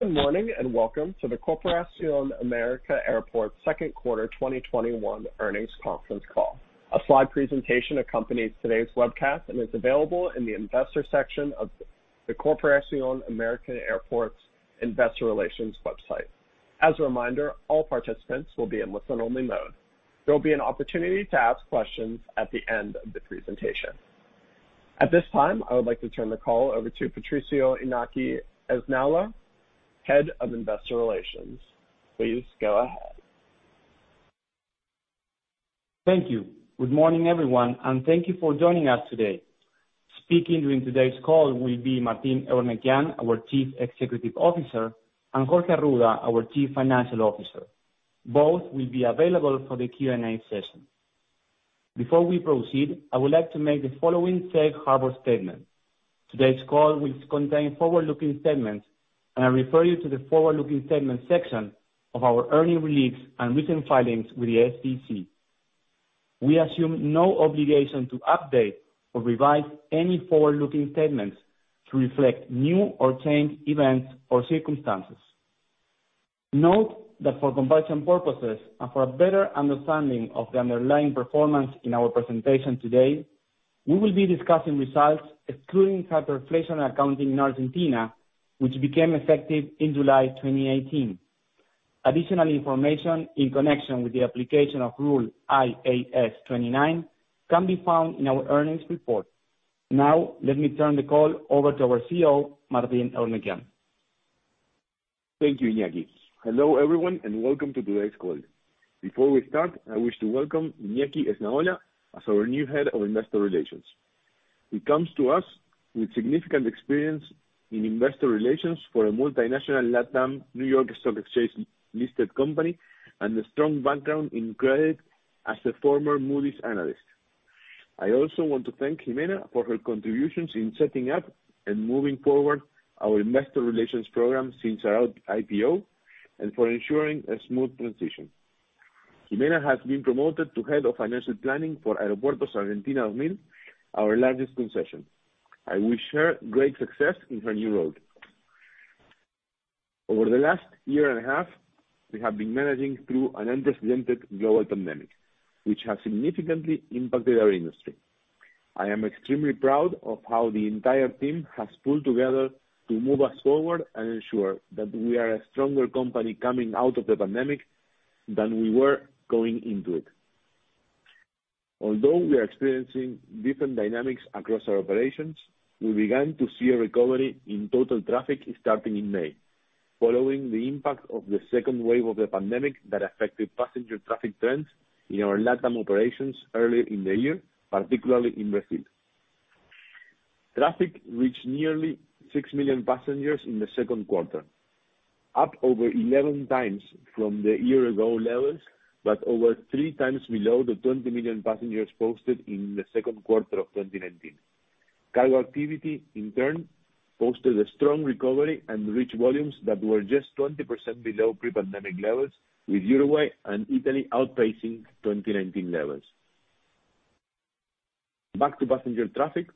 Good morning, and welcome to the Corporación América Airports second quarter 2021 earnings conference call. A slide presentation accompanies today's webcast and is available in the Investor section of the Corporación América Airports' investor relations website. As a reminder, all participants will be in listen-only mode. There will be an opportunity to ask questions at the end of the presentation. At this time, I would like to turn the call over to Patricio Iñaki Esnaola, Head of Investor Relations. Please go ahead. Thank you. Good morning, everyone, and thank you for joining us today. Speaking during today's call will be Martín Eurnekian, our Chief Executive Officer, and Jorge Arruda, our Chief Financial Officer. Both will be available for the Q&A session. Before we proceed, I would like to make the following safe harbor statement. Today's call will contain forward-looking statements. I refer you to the forward-looking statements section of our earning release and recent filings with the SEC. We assume no obligation to update or revise any forward-looking statements to reflect new or changed events or circumstances. Note that for comparison purposes and for a better understanding of the underlying performance in our presentation today, we will be discussing results excluding hyperinflation accounting in Argentina, which became effective in July 2018. Additional information in connection with the application of Rule IAS 29 can be found in our earnings report. Now, let me turn the call over to our CEO, Martín Eurnekian. Thank you, Iñaki. Hello, everyone, and welcome to today's call. Before we start, I wish to welcome Iñaki Esnaola as our new Head of Investor Relations. He comes to us with significant experience in investor relations for a multinational LATAM New York Stock Exchange-listed company and a strong background in credit as the former Moody's analyst. I also want to thank Jimena for her contributions in setting up and moving forward our investor relations program since our IPO and for ensuring a smooth transition. Jimena has been promoted to Head of Financial Planning for Aeropuertos Argentina 2000, our largest concession. I wish her great success in her new role. Over the last year and a half, we have been managing through an unprecedented global pandemic, which has significantly impacted our industry. I am extremely proud of how the entire team has pulled together to move us forward and ensure that we are a stronger company coming out of the pandemic than we were going into it. Although we are experiencing different dynamics across our operations, we began to see a recovery in total traffic starting in May, following the impact of the second wave of the pandemic that affected passenger traffic trends in our LATAM operations early in the year, particularly in Brazil. Traffic reached nearly 6 million passengers in the second quarter, up over 11 times from the year-ago levels, but over three times below the 20 million passengers posted in the second quarter of 2019. Cargo activity, in turn, posted a strong recovery and reached volumes that were just 20% below pre-pandemic levels, with Uruguay and Italy outpacing 2019 levels'. Back to passenger traffic,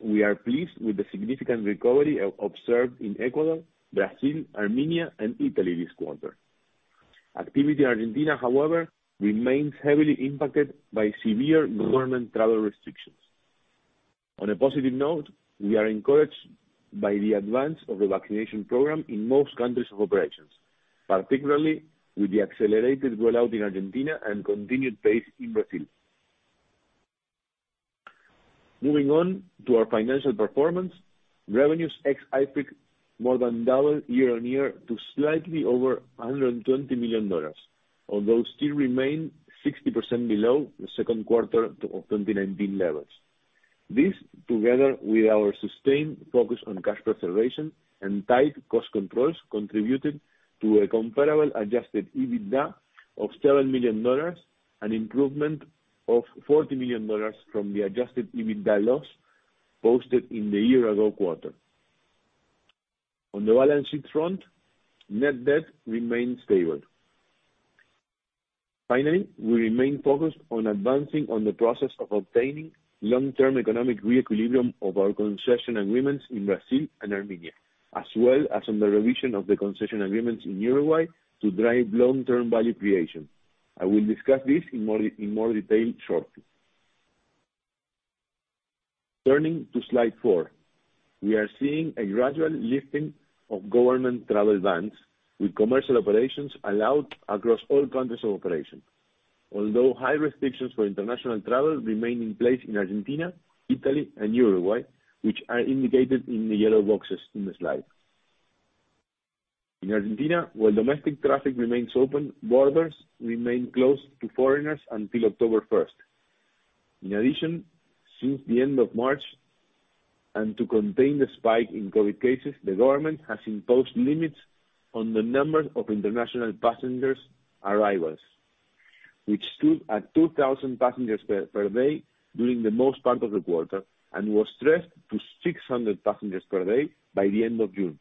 we are pleased with the significant recovery observed in Ecuador, Brazil, Armenia, and Italy this quarter. Activity in Argentina, however, remains heavily impacted by severe government travel restrictions. On a positive note, we are encouraged by the advance of the vaccination program in most countries of operations, particularly with the accelerated rollout in Argentina and continued pace in Brazil. Moving on to our financial performance, revenues ex-IPIC more than doubled year-on-year to slightly over $120 million, although still remain 60% below the second quarter of 2019 levels. This, together with our sustained focus on cash preservation and tight cost controls, contributed to a comparable adjusted EBITDA of $7 million, an improvement of $40 million from the adjusted EBITDA loss posted in the year-ago quarter. On the balance sheet front, net debt remains stable. Finally, we remain focused on advancing on the process of obtaining long-term economic re-equilibrium of our concession agreements in Brazil and Armenia, as well as on the revision of the concession agreements in Uruguay to drive long-term value creation. I will discuss this in more detail shortly. Turning to slide four, we are seeing a gradual lifting of government travel bans, with commercial operations allowed across all countries of operation. High restrictions for international travel remain in place in Argentina, Italy, and Uruguay, which are indicated in the yellow boxes in the slide. In Argentina, while domestic traffic remains open, borders remain closed to foreigners until October 1st. In addition, since the end of March, and to contain the spike in COVID cases, the government has imposed limits on the number of international passenger arrivals, which stood at 2,000 passengers per day during the most part of the quarter and was stressed to 600 passengers per day by the end of June.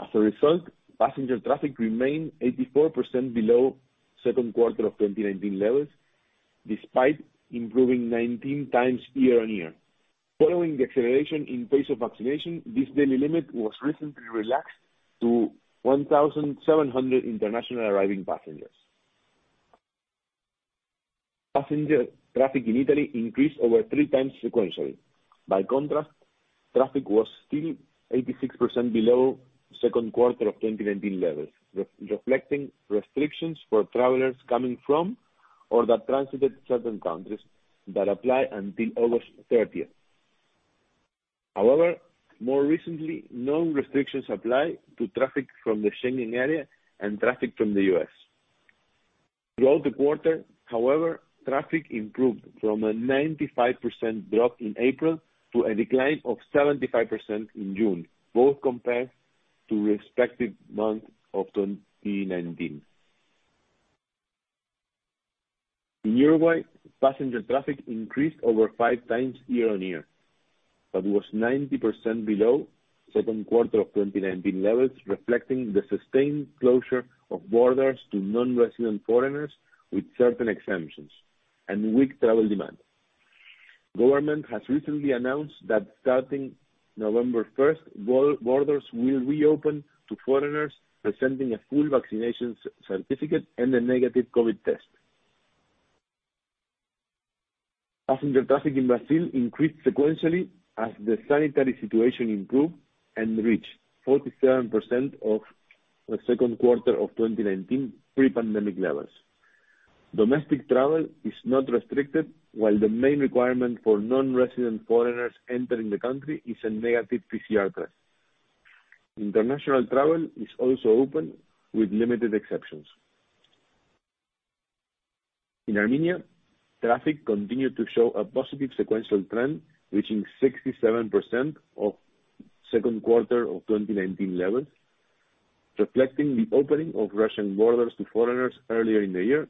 As a result, passenger traffic remained 84% below second quarter of 2019 levels. Despite improving 19 times year-on-year. Following the acceleration in pace of vaccination, this daily limit was recently relaxed to 1,700 international arriving passengers. Passenger traffic in Italy increased over three times sequentially. By contrast, traffic was still 86% below second quarter of 2019 levels, reflecting restrictions for travelers coming from or that transited certain countries that apply until August 30th. However, more recently, no restrictions apply to traffic from the Schengen area and traffic from the U.S. Throughout the quarter, however, traffic improved from a 95% drop in April to a decline of 75% in June, both compared to respective months of 2019. In Uruguay, passenger traffic increased over five times year-on-year. Was 90% below second quarter of 2019 levels, reflecting the sustained closure of borders to non-resident foreigners, with certain exemptions and weak travel demand. Government has recently announced that starting November 1st, borders will reopen to foreigners presenting a full vaccination certificate and a negative COVID-19 test. Passenger traffic in Brazil increased sequentially as the sanitary situation improved and reached 47% of the second quarter of 2019 pre-pandemic levels. Domestic travel is not restricted, while the main requirement for non-resident foreigners entering the country is a negative PCR test. International travel is also open, with limited exceptions. In Armenia, traffic continued to show a positive sequential trend, reaching 67% of second quarter of 2019 levels, reflecting the opening of Russian borders to foreigners earlier in the year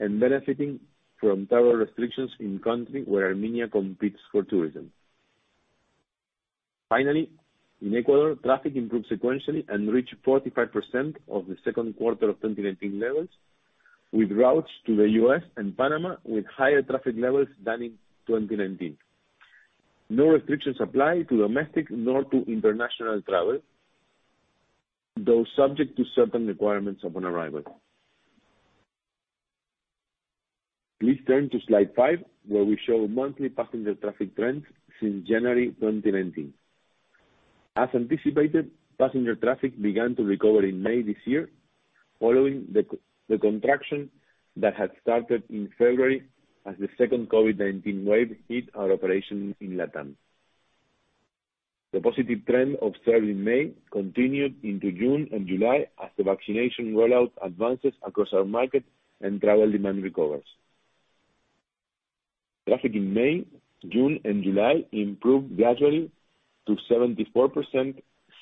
and benefiting from travel restrictions in countries where Armenia competes for tourism. Finally, in Ecuador, traffic improved sequentially and reached 45% of the second quarter of 2019 levels, with routes to the U.S. and Panama with higher traffic levels than in 2019. No restrictions apply to domestic nor to international travel, though subject to certain requirements upon arrival. Please turn to Slide five, where we show monthly passenger traffic trends since January 2019. As anticipated, passenger traffic began to recover in May this year, following the contraction that had started in February as the second COVID-19 wave hit our operations in LATAM. The positive trend observed in May continued into June and July as the vaccination rollout advances across our market and travel demand recovers. Traffic in May, June, and July improved gradually to 74%,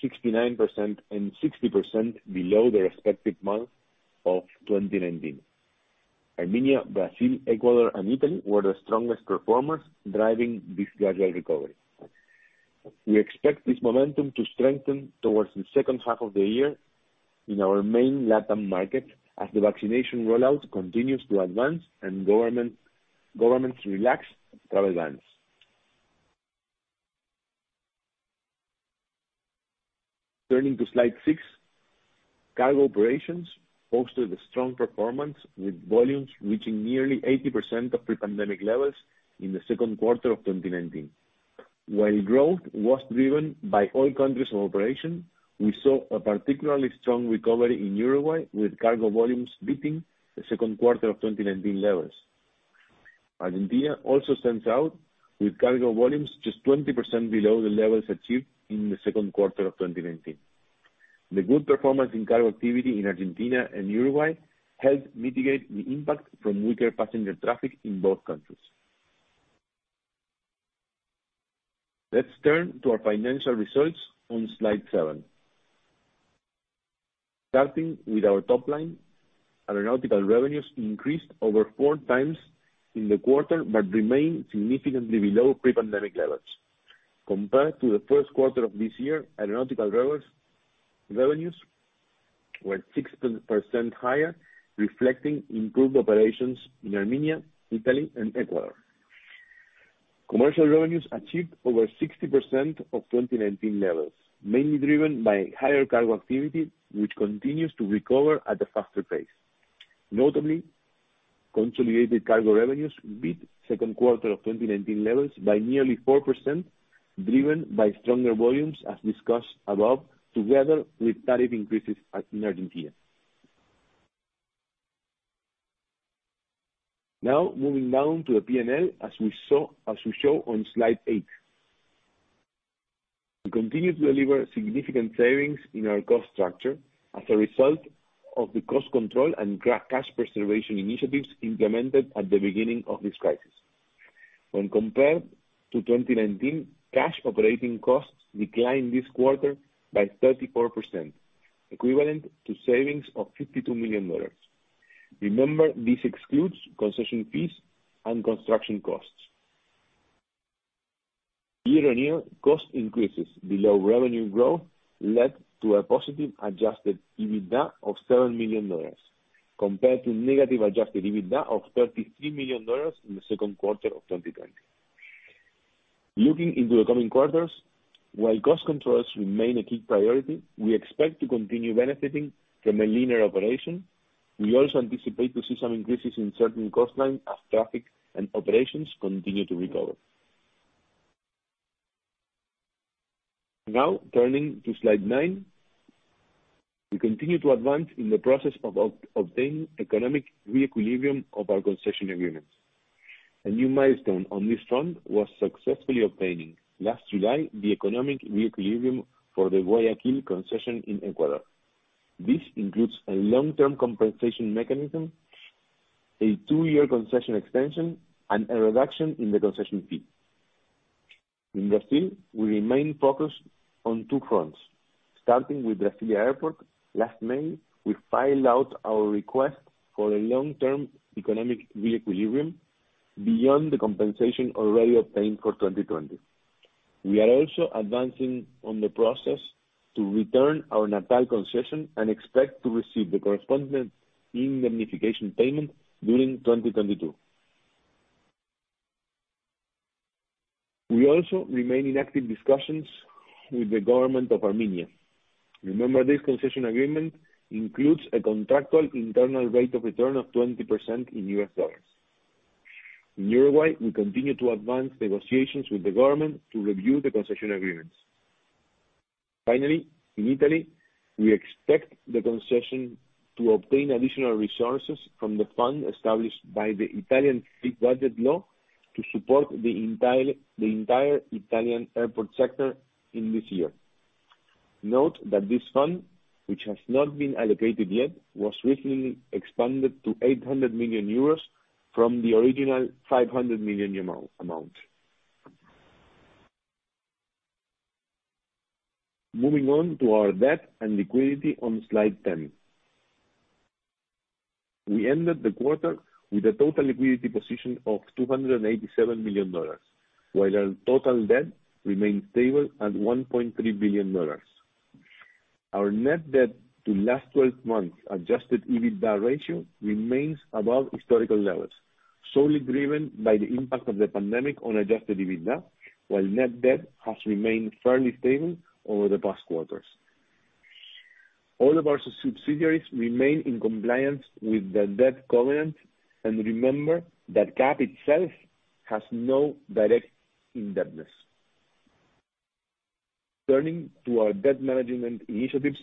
69%, and 60% below the respective months of 2019. Armenia, Brazil, Ecuador and Italy were the strongest performers driving this gradual recovery. We expect this momentum to strengthen towards the second half of the year in our main LATAM market as the vaccination rollout continues to advance and governments relax travel bans. Turning to Slide six, cargo operations posted a strong performance, with volumes reaching nearly 80% of pre-pandemic levels in the second quarter of 2019. While growth was driven by all countries of operation, we saw a particularly strong recovery in Uruguay, with cargo volumes beating the second quarter of 2019 levels. Argentina also stands out, with cargo volumes just 20% below the levels achieved in the second quarter of 2019. The good performance in cargo activity in Argentina and Uruguay helped mitigate the impact from weaker passenger traffic in both countries. Let's turn to our financial results on Slide seven. Starting with our top line, aeronautical revenues increased over four times in the quarter, but remain significantly below pre-pandemic levels. Compared to the first quarter of this year, aeronautical revenues were 6% higher, reflecting improved operations in Armenia, Italy and Ecuador. Commercial revenues achieved over 60% of 2019 levels, mainly driven by higher cargo activity, which continues to recover at a faster pace. Notably, consolidated cargo revenues beat second quarter of 2019 levels by nearly 4%, driven by stronger volumes, as discussed above, together with tariff increases in Argentina. Now, moving down to the P&L, as we show on Slide eight. We continue to deliver significant savings in our cost structure as a result of the cost control and cash preservation initiatives implemented at the beginning of this crisis. When compared to 2019, cash operating costs declined this quarter by 34%, equivalent to savings of $52 million. Remember, this excludes concession fees and construction costs. Year-on-year cost increases below revenue growth led to a positive adjusted EBITDA of $7 million, compared to negative adjusted EBITDA of $33 million in the second quarter of 2020. Looking into the coming quarters, while cost controls remain a key priority, we expect to continue benefiting from a leaner operation. We also anticipate to see some increases in certain cost line as traffic and operations continue to recover. Turning to slide nine. We continue to advance in the process of obtaining economic re-equilibrium of our concession agreements. A new milestone on this front was successfully obtaining, last July, the economic re-equilibrium for the Guayaquil concession in Ecuador. This includes a long-term compensation mechanism, a two year concession extension, and a reduction in the concession fee. In Brazil, we remain focused on two fronts. Starting with Brasilia Airport, last May, we filed out our request for a long-term economic re-equilibrium beyond the compensation already obtained for 2020. We are also advancing on the process to return our Natal concession and expect to receive the correspondent indemnification payment during 2022. We also remain in active discussions with the government of Armenia. Remember, this concession agreement includes a contractual internal rate of return of 20% in U.S. dollars. In Uruguay, we continue to advance negotiations with the government to review the concession agreements. Finally, in Italy, we expect the concession to obtain additional resources from the fund established by the Italian state budget law to support the entire Italian airport sector in this year. Note that this fund, which has not been allocated yet, was recently expanded to 800 million euros from the original 500 million amount. Moving on to our debt and liquidity on slide 10. We ended the quarter with a total liquidity position of $287 million, while our total debt remains stable at $1.3 billion. Our net debt to last 12 months adjusted EBITDA ratio remains above historical levels, solely driven by the impact of the pandemic on adjusted EBITDA, while net debt has remained fairly stable over the past quarters. All of our subsidiaries remain in compliance with the debt covenant. Remember that CAAP itself has no direct indebtedness. Turning to our debt management initiatives,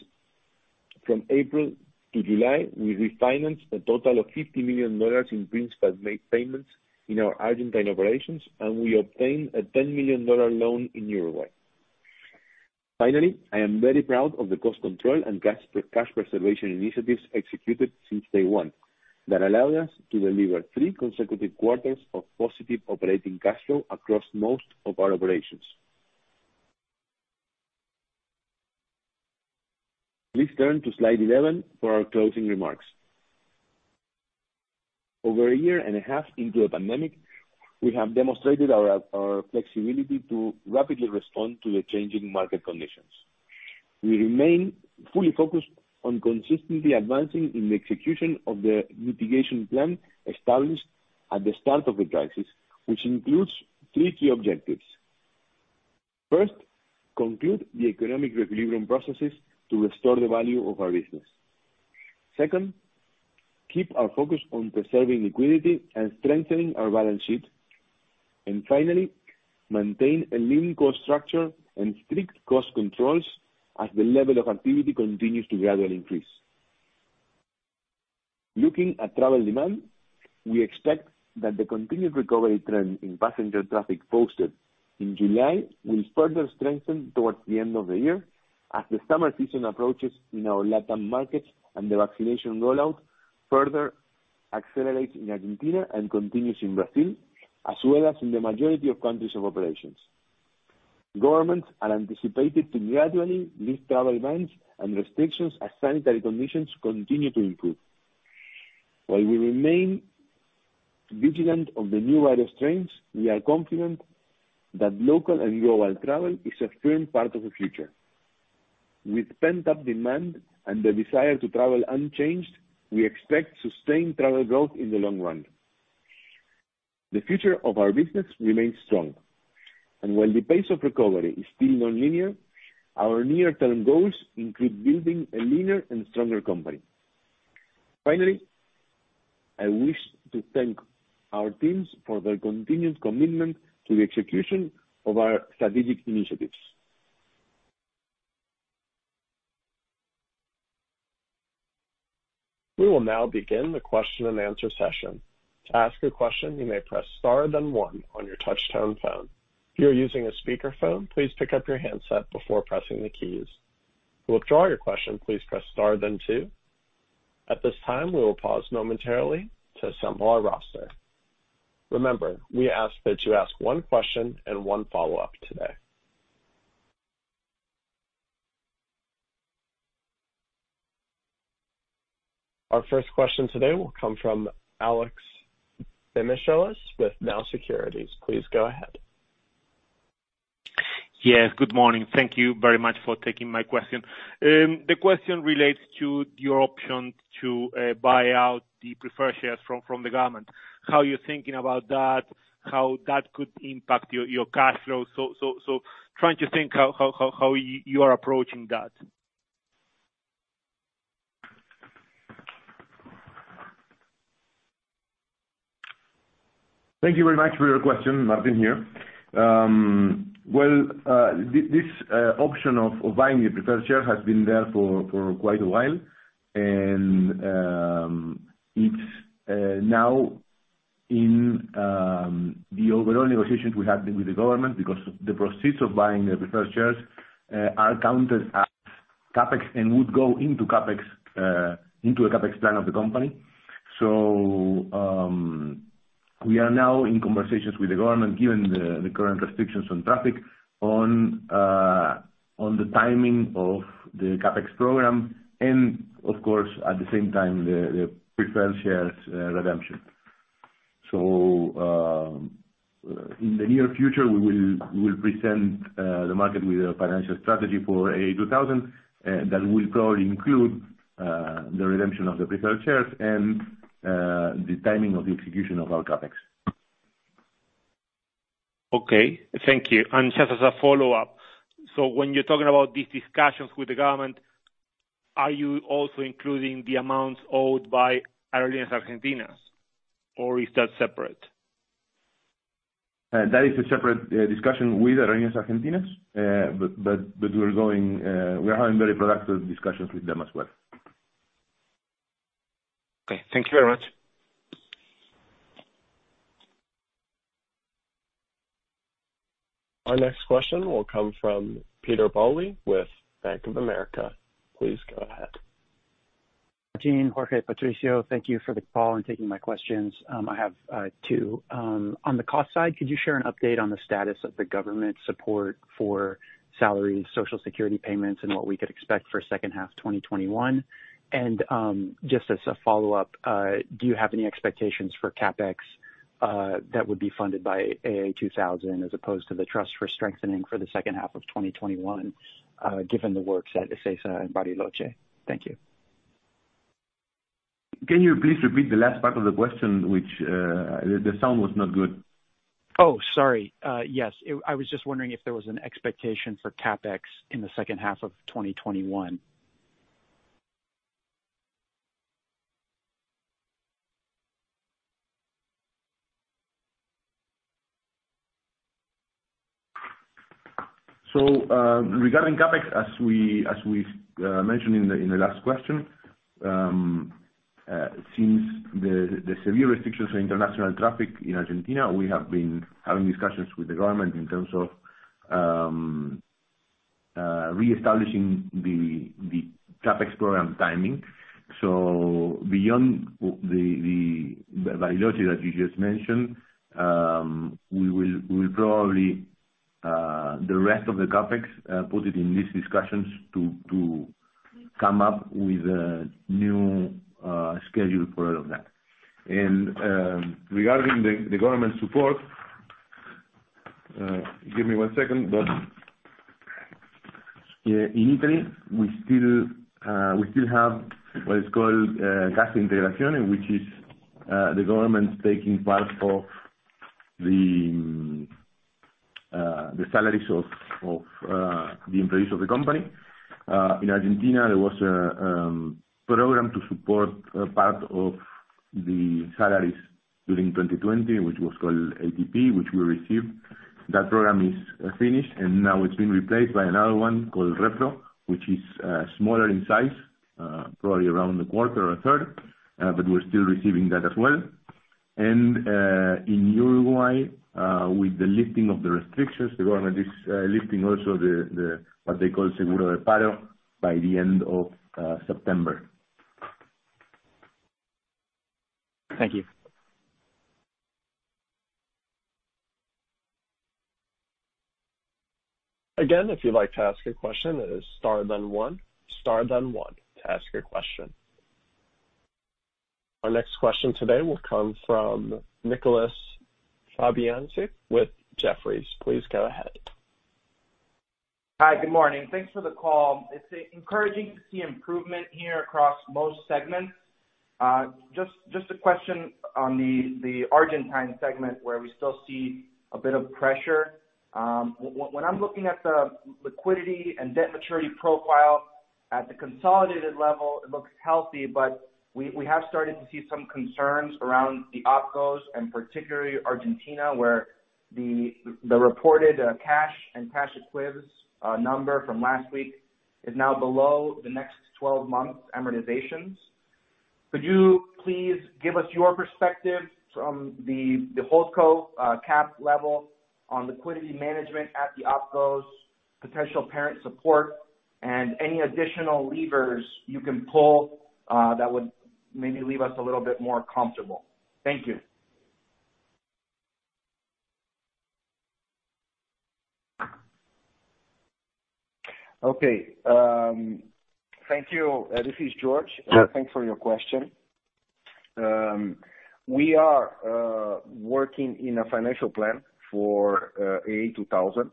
from April to July, we refinanced a total of $50 million in principal made payments in our Argentine operations, and we obtained a $10 million loan in Uruguay. Finally, I am very proud of the cost control and cash preservation initiatives executed since day one that allowed us to deliver three consecutive quarters of positive operating cash flow across most of our operations. Please turn to slide 11 for our closing remarks. Over a year and a half into the pandemic, we have demonstrated our flexibility to rapidly respond to the changing market conditions. We remain fully focused on consistently advancing in the execution of the mitigation plan established at the start of the crisis, which includes three key objectives. First, conclude the economic re-equilibrium processes to restore the value of our business. Second, keep our focus on preserving liquidity and strengthening our balance sheet. Finally, maintain a lean cost structure and strict cost controls as the level of activity continues to gradually increase. Looking at travel demand, we expect that the continued recovery trend in passenger traffic posted in July will further strengthen towards the end of the year as the summer season approaches in our LATAM markets and the vaccination rollout further accelerates in Argentina and continues in Brazil, as well as in the majority of countries of operations. Governments are anticipated to gradually lift travel bans and restrictions as sanitary conditions continue to improve. While we remain vigilant of the new virus strains, we are confident that local and global travel is a firm part of the future. With pent-up demand and the desire to travel unchanged, we expect sustained travel growth in the long run. The future of our business remains strong. While the pace of recovery is still non-linear, our near-term goals include building a leaner and stronger company. Finally, I wish to thank our teams for their continued commitment to the execution of our strategic initiatives. We will now begin the question and answer session. To ask a question, you may press star then one on your touch tone phone. If you are using a speaker phone, please pick up your handset before pressing the keys. To withdraw your question, please press star then two. At this time, we will pause momentarily to assemble our roster. Remember, we ask that you ask one question and one follow-up today. Our first question today will come from Alejandro Demichelis with BTG Pactual. Please go ahead. Yes, good morning. Thank you very much for taking my question. The question relates to your option to buy out the preferred shares from the government. How you're thinking about that, how that could impact your cash flow. Trying to think how you are approaching that. Thank you very much for your question. Martín here. Well, this option of buying the preferred share has been there for quite a while. It's now in the overall negotiations we have with the government because the proceeds of buying the preferred shares are counted as CapEx and would go into a CapEx plan of the company. We are now in conversations with the government, given the current restrictions on traffic, on the timing of the CapEx program and, of course, at the same time, the preferred shares redemption. In the near future, we will present the market with a financial strategy for AA2000 that will probably include the redemption of the preferred shares and the timing of the execution of our CapEx. Okay. Thank you. Just as a follow-up. When you're talking about these discussions with the government, are you also including the amounts owed by Aerolíneas Argentinas, or is that separate? That is a separate discussion with Aerolíneas Argentinas. We're having very productive discussions with them as well. Okay. Thank you very much. Our next question will come from Peter Bowley with Bank of America. Please go ahead. Martín, Jorge, Patricio, thank you for the call and taking my questions. I have 2. On the cost side, could you share an update on the status of the government support for salary, social security payments, and what we could expect for second half 2021? Just as a follow-up, do you have any expectations for CapEx that would be funded by AA2000 as opposed to the trust for strengthening for the second half of 2021, given the works at Ezeiza and Bariloche? Thank you. Can you please repeat the last part of the question? The sound was not good. Oh, sorry. Yes. I was just wondering if there was an expectation for CapEx in the second half of 2021. Regarding CapEx, as we mentioned in the last question, since the severe restrictions on international traffic in Argentina, we have been having discussions with the government in terms of reestablishing the CapEx program timing. Beyond the biology that you just mentioned, we will probably, the rest of the CapEx, put it in these discussions to come up with a new schedule for all of that. Regarding the government support, give me one second. In Italy, we still have what is called cassa integrazione, which is the government taking part of the salaries of the employees of the company. In Argentina, there was a program to support part of the salaries during 2020, which was called ATP, which we received. That program is finished, and now it's been replaced by another one called REPRO, which is smaller in size, probably around a quarter or a third. We're still receiving that as well. In Uruguay, with the lifting of the restrictions, the government is lifting also what they call Seguro de Paro by the end of September. Thank you. If you'd like to ask a question, it is star then one. Star then one to ask a question. Our next question today will come from Nicolas Fabiani with Jefferies. Please go ahead. Hi. Good morning. Thanks for the call. It's encouraging to see improvement here across most segments. Just a question on the Argentine segment where we still see a bit of pressure. When I'm looking at the liquidity and debt maturity profile at the consolidated level, it looks healthy, but we have started to see some concerns around the Opcos and particularly Argentina, where the reported cash and cash equivalents number from last week is now below the next 12 months amortizations. Could you please give us your perspective from the holdco cap level on liquidity management at the Opcos, potential parent support, and any additional levers you can pull that would maybe leave us a little bit more comfortable? Thank you. Okay. Thank you. This is George. Thanks for your question. We are working in a financial plan for AA2000.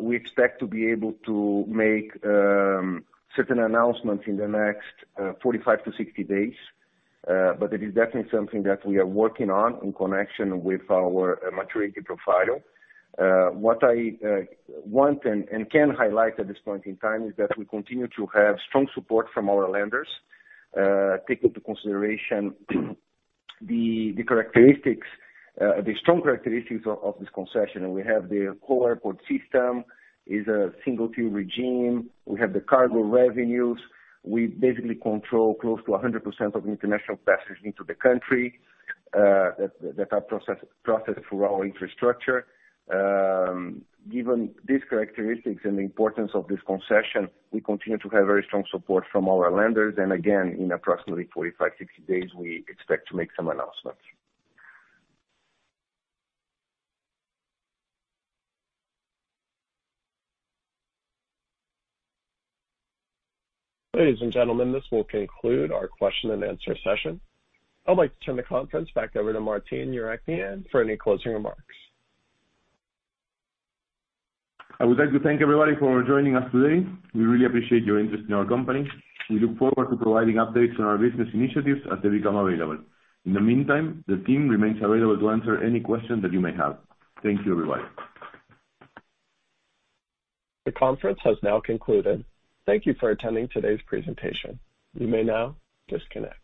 We expect to be able to make certain announcements in the next 45-60 days. It is definitely something that we are working on in connection with our maturity profile. What I want and can highlight at this point in time is that we continue to have strong support from our lenders, take into consideration the strong characteristics of this concession, and we have the core airport system. It is a single team regime. We have the cargo revenues. We basically control close to 100% of international passengers into the country that are processed through our infrastructure. Given these characteristics and the importance of this concession, we continue to have very strong support from our lenders, and again, in approximately 45, 60 days, we expect to make some announcements. Ladies and gentlemen, this will conclude our question and answer session. I'd like to turn the conference back over to Martín Eurnekian for any closing remarks. I would like to thank everybody for joining us today. We really appreciate your interest in our company. We look forward to providing updates on our business initiatives as they become available. In the meantime, the team remains available to answer any questions that you may have. Thank you, everybody. The conference has now concluded. Thank you for attending today's presentation. You may now disconnect.